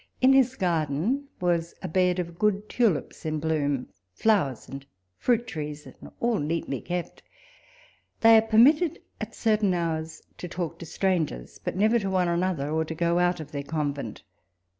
In his garden was a bed of good tulips in bloom, flowers and fruit trees, and all neatly kept. They are permitted at certain hours to talk to strangers, but never to one another, or to go out of their convent.